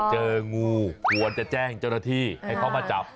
เจองูควรจะแจ้งเจ้าหน้าที่ให้เขามาจับ